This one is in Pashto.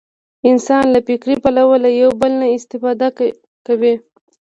انسان له فکري پلوه له یو بل نه استفاده کړې.